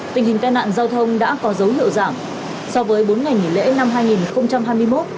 tình hình tai nạn giao thông đã có dấu hiệu giảm so với bốn ngày nghỉ lễ năm hai nghìn hai mươi một